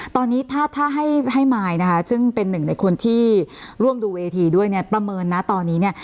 ตอนนี้ถ้าถ้าให้มายนะคะซึ่งเป็นหนึ่งในคนที่ร่วมดูเวทีด้วยเนี่ยประเมินนะตอนนี้เนี่ย